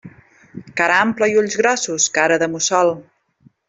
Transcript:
Cara ampla i ulls grossos, cara de mussol.